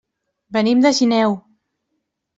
Venim de Sineu.